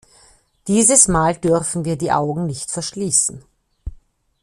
Dieses Mal dürfen wir die Augen nicht verschließen.